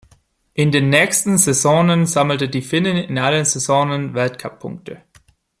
In den nächsten Saisonen sammelte die Finnin in allen Saisonen Weltcuppunkte.